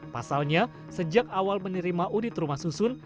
pasalnya sejak awal menerima unit rumah susun